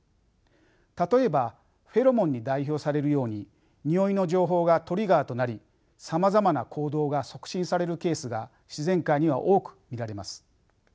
例えばフェロモンに代表されるようににおいの情報がトリガーとなりさまざまな行動が促進されるケースが自然界には多く見られます。